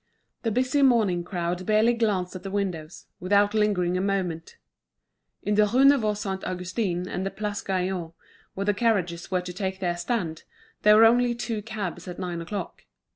The busy morning crowd barely glanced at the windows, without lingering a moment. In the Rue Neuve Saint Augustin and in the Place Gaillon, where the carriages were to take their stand, there were only two cabs at nine o'clock.